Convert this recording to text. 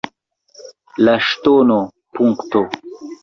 La ŝtono, punkto